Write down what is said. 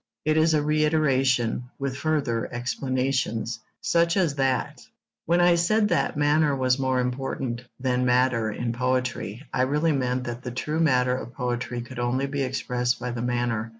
It is a reiteration, with further explanations, such as that When I said that manner was more important than matter in poetry, I really meant that the true matter of poetry could only be expressed by the manner.